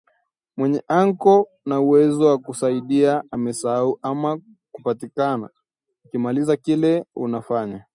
mwenye ako na uwezo wa kukusaidia amesahau ama atapatikana ukimaliza kile unafanya